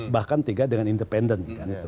bahkan tiga dengan independen